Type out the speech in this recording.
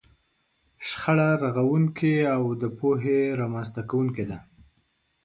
شخړه رغونکې او د پوهې رامنځته کوونکې ده.